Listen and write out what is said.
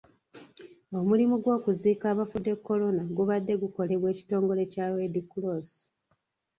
Omulimu gw'okuziika abafudde korona gubadde gukolebwa ekitongole kya Reedi Kkuloosi .